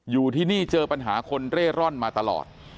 อยู่ที่นี่เจอปัญหาคนเร่ร่อนมาตลอด